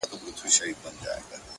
او د غم پېټی دا دی تا باندې راوښويدی’